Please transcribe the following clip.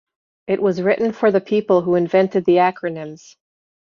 It was written for the people who invented the acronyms...